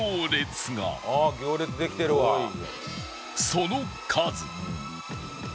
その数